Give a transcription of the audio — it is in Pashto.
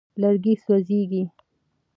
لرګي سوځېږي.